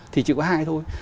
thì chỉ có hai thôi